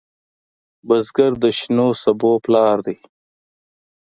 بزګر د شنو سبو پلار دی